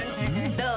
どう？